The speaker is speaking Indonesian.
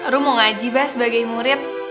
rum mau ngaji ba sebagai murid